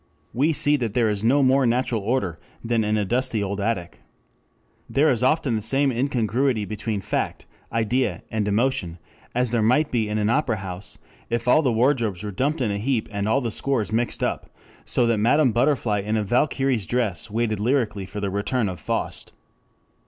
We see that there is no more natural order than in a dusty old attic. There is often the same incongruity between fact, idea, and emotion as there might be in an opera house, if all the wardrobes were dumped in a heap and all the scores mixed up, so that Madame Butterfly in a Valkyr's dress waited lyrically for the return of Faust.